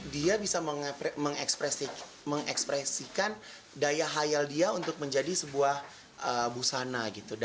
dia bisa mengekspresikan daya hayal dia untuk menjadi sebuah busana gitu